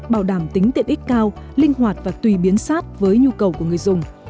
bảo đảm tính tiện ích cao linh hoạt và tùy biến sát với nhu cầu của người dùng